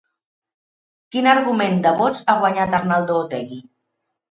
Quin augment de vots ha guanyat Arnaldo Otegi?